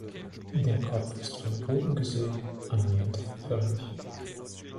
Der Kopf ist von oben gesehen annähernd eiförmig.